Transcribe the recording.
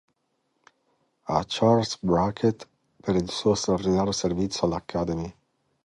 A Charles Brackett per il suo straordinario servizio all"Academy".